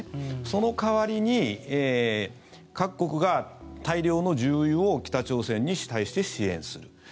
その代わりに各国が大量の重油を北朝鮮に対して支援する。